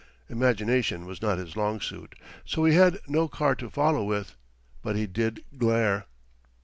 Imagination was not his long suit, so he had no card to follow with. But he did glare.